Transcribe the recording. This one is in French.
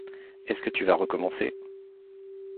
Est-ce que tu vas recommencer ?